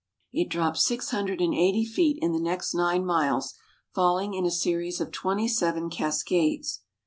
It drops six hundred and eighty feet in the next nine miles, falling in a series of twenty seven cascades.